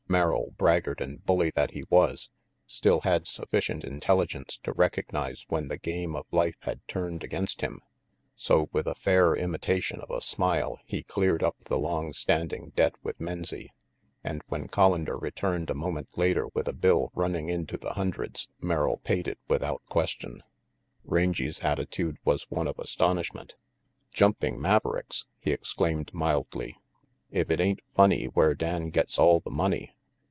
Merrill, braggart and bully that he was, still had sufficient intelligence to recognize when the game of life had turned against him. So, with a fair imita tion of a smile, he cleared up the long standing debt with Menzie, and when Collander returned a moment later with a bill running into the hundreds, Merrill paid it without question. Rangy's attitude was one of astonishment. "Jumping Mavericks!" he exclaimed mildly. "If it ain't funny where Dan gets all the money.